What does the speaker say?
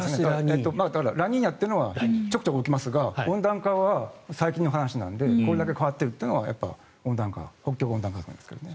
ラニーニャというのはちょくちょく起きますが温暖化は最近の話なのでこれだけ変わっているというのはやっぱり北極温暖化ですね。